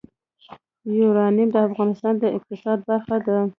یورانیم د افغانستان د اقتصاد برخه ده.